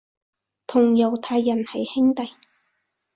同猶太人係兄弟